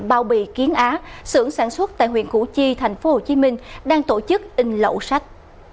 bao bì kiến á sưởng sản xuất tại huyện củ chi thành phố hồ chí minh đang tổ chức in lậu sách